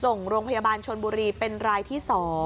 ส่งโรงพยาบาลชนบุรีเป็นรายที่๒